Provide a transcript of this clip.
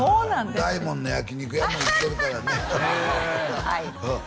大門の焼肉屋も行ってるからアハハ